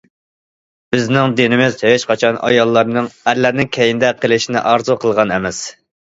بىزنىڭ دىنىمىز ھېچقاچان ئاياللارنىڭ ئەرلەرنىڭ كەينىدە قېلىشىنى ئارزۇ قىلغان ئەمەس.